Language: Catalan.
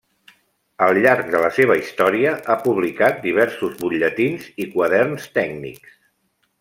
Al llarg de la seva història ha publicat diversos butlletins i quaderns tècnics.